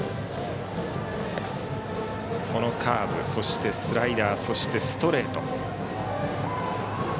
このカーブ、そしてスライダーそしてストレート。